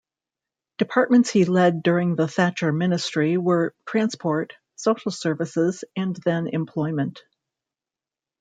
Departments he led during the Thatcher ministry were transport, social services and then employment.